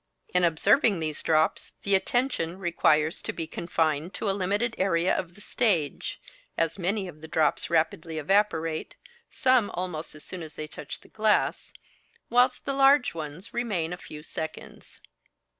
In observing these drops, the attention requires to be confined to a limited area of the stage, as many of the drops rapidly evaporate, some almost as soon as they touch the glass, whilst the large ones remain a few seconds.